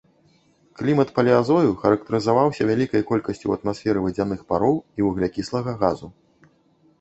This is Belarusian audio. Клімат палеазою характарызаваўся вялікай колькасцю ў атмасферы вадзяных пароў і вуглякіслага газу.